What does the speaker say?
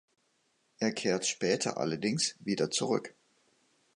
Er kehrt später allerdings wieder zurück.